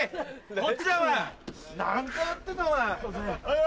こっちだよお前何回やってんだお前。